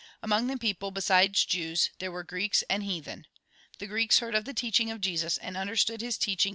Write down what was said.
Among the people, besides Jews, there were Greeks and heathen. Tlie Greeks heard of the teaching of Jesus, and understood his teaching in Jn.